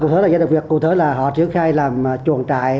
cụ thể là giai đoạn việc cụ thể là họ triển khai làm chuồng trại